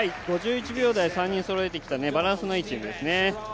５１秒３人そろえてきた、バランスのいいチームですね。